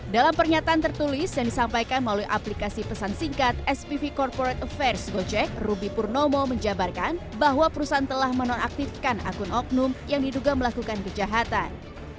dalam pernyataan tertulis yang disampaikan melalui aplikasi pesan singkat spv corporate affairs gojek ruby purnomo menjabarkan bahwa perusahaan telah menonaktifkan akun oknum yang diduga melakukan kejahatan